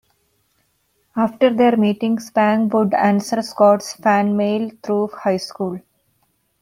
After their meeting, Spang would answer Scott's fan mail through high-school.